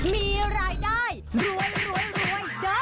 มีรายได้รวยเดอะจ้า